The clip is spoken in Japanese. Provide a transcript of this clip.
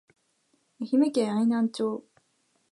愛媛県愛南町